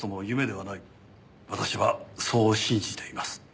私はそう信じています。